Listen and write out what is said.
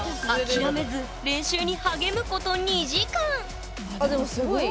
諦めず練習に励むこと２時間あでもすごい。